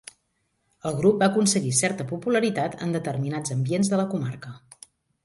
El grup va aconseguir certa popularitat en determinats ambients de la comarca.